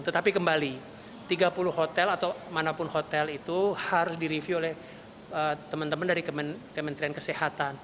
tetapi kembali tiga puluh hotel atau manapun hotel itu harus direview oleh teman teman dari kementerian kesehatan